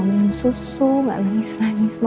tunggu sebentar ya bu